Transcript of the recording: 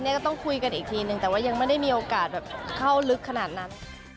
ก็ต้องคุยกันอีกทีนึงแต่ว่ายังไม่ได้มีโอกาสแบบเข้าลึกขนาดนั้น